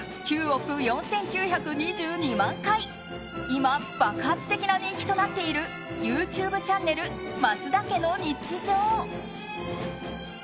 今、爆発的な人気となっているＹｏｕＴｕｂｅチャンネル「マツダ家の日常」。